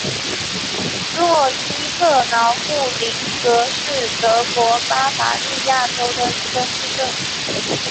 诺伊特劳布林格是德国巴伐利亚州的一个市镇。